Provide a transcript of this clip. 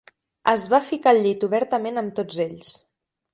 Es va ficar al llit obertament amb tots ells.